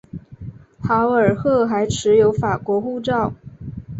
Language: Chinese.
豪尔赫还持有法国护照。